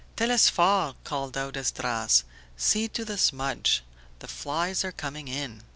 "Telesphore!" called out Esdras, "see to the smudge, the flies are coming in."